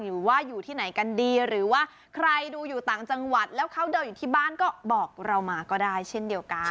อยู่ว่าอยู่ที่ไหนกันดีหรือว่าใครดูอยู่ต่างจังหวัดแล้วเขาเดินอยู่ที่บ้านก็บอกเรามาก็ได้เช่นเดียวกัน